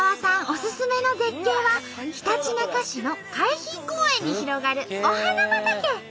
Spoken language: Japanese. オススメの絶景はひたちなか市の海浜公園に広がるお花畑。